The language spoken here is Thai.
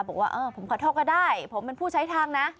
บอกว่าเออผมขอโทษก็ได้ผมเป็นผู้ใช้ทางนะ